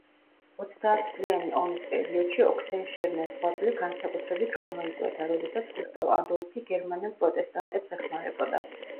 ოცდაათწლიანი ომის პერიოდში ოქსენშერნას ღვაწლი განსაკუთრებით გამოიკვეთა, როდესაც გუსტავ ადოლფი გერმანელ პროტესტანტებს ეხმარებოდა.